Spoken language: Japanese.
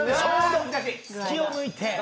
隙を抜いて。